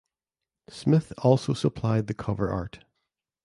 Smith also supplied the cover art.